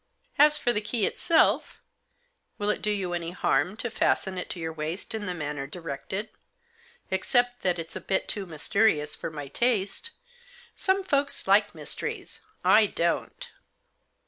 As for the key itself — will it do you any harm to fasten it to your waist in the manner directed ?"" Except that it's a bit too mysterious for my taste. Some folks like mysteries ; I don't."